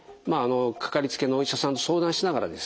かかりつけのお医者さんと相談しながらですね